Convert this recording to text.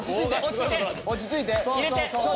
落ち着いて！